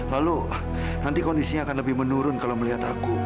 lalu nanti kondisinya akan lebih menurun kalau melihat aku